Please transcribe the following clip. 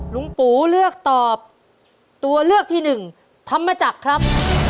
ลุงปูเลือกตอบตัวเลือกที่หนึ่งธรรมจักรครับ